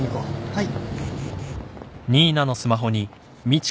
はい。